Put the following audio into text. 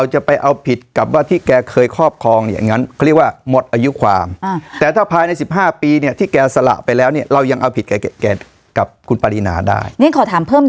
จอหรือว่าหมดอายุความแต่ถ้าภายใน๑๕ปีเนี่ยที่แกสละไปแล้วเนี่ยเรายังเอาผิดแกกับคุณปรินาได้